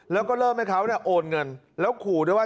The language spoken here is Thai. แล้วก็เริ่มให้เขาโอนเงินแล้วขู่ด้วยว่า